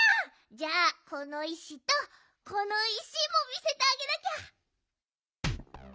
じゃあこのいしとこのいしもみせてあげなきゃ。